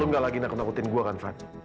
lo gak lagi nak menakutin gue kan van